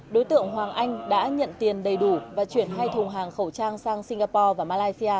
đối tượng hoàng anh đã nhận tiền đầy đủ và chuyển hai thùng hàng khẩu trang sang singapore và malaysia